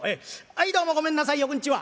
はいどうもごめんなさいよこんにちは。